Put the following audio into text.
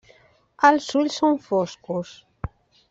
Els ulls són foscos.